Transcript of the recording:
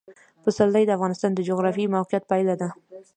پسرلی د افغانستان د جغرافیایي موقیعت پایله ده.